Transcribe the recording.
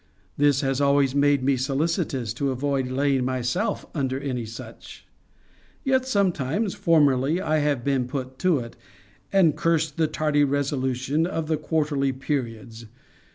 This has always made me solicitous to avoid laying myself under any such: yet, sometimes, formerly, have I been put to it, and cursed the tardy resolution of the quarterly periods.